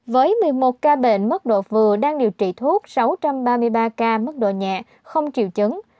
với một mươi một ca bệnh mất độ vừa đang điều trị thuốc sáu trăm ba mươi ba ca mất độ nhẹ không triều chứng